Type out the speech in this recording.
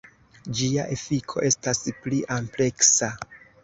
Ĝia efiko estas pli ampleksa.